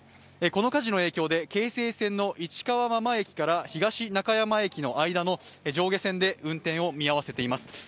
この火事の影響で京成線の市川真間駅から東中山駅の間の上下線で運転を見合わせています。